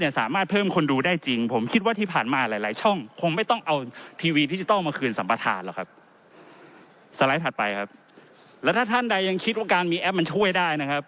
แล้วถ้าท่านใดยังคิดว่าการมีแอปมันช่วยได้นะครับ